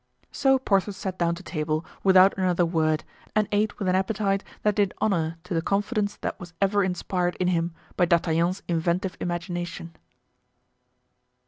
So Porthos sat down to table without another word and ate with an appetite that did honor to the confidence that was ever inspired in him by D'Artagnan's inventive imagination.